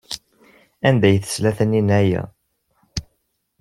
Anda ay tesla Taninna aya?